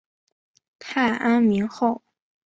太安明侯